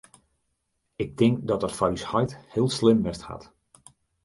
Ik tink dat dat foar ús heit heel slim west hat.